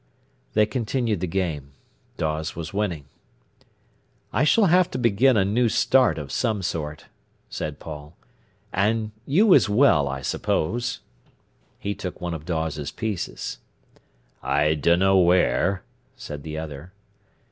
They continued the game. Dawes was winning. "I s'll have to begin a new start of some sort," said Paul; "and you as well, I suppose." He took one of Dawes's pieces. "I dunno where," said the other.